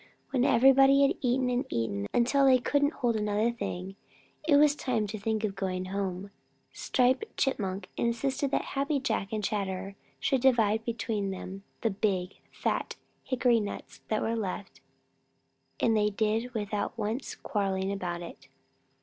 When everybody had eaten and eaten until they couldn't hold another thing, and it was time to think of going home, Striped Chipmunk insisted that Happy Jack and Chatterer should divide between them the big, fat hickory nuts that were left, and they did without once quarreling about it.